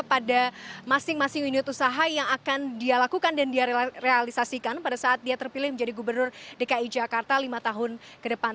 pada masing masing unit usaha yang akan dia lakukan dan dia realisasikan pada saat dia terpilih menjadi gubernur dki jakarta lima tahun ke depan